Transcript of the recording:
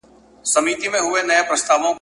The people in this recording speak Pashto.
چي له لیري مي ږغ نه وي اورېدلی ..